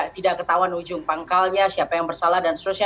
tidak ketahuan ujung pangkalnya siapa yang bersalah dan seterusnya